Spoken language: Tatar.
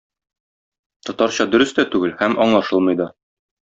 Татарча дөрес тә түгел һәм аңлашылмый да.